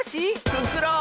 フクロウ！